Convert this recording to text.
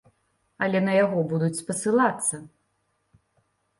Але на яго будуць спасылацца.